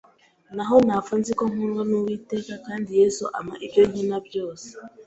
naho napfa nziko nkundwa n’uwiteka kandi Yesu ampa ibyo nkena byose